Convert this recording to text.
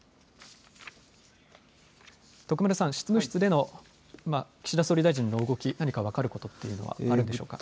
徳丸さん、執務室での岸田総理大臣の動き何か分かることというのはあるんでしょうか。